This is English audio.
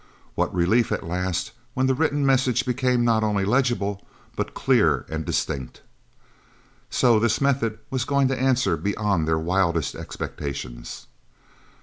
What relief, at last, when the written messages became not only legible, but clear and distinct! So this method was going to answer beyond their wildest expectations!